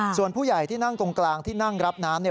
ส่วนผู้ใหญ่ที่นั่งตรงกลางที่นั่งรับน้ำ